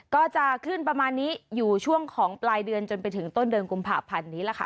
ก็จะขึ้นประมาณนี้อยู่ช่วงของปลายเดือนจนไปถึงต้นเดือนกุมภาพันธ์นี้แหละค่ะ